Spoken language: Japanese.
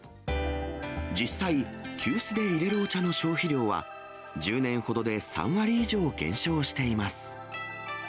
実際、急須で入れるお茶の消費量は、１０年ほどで３割以上減少しています。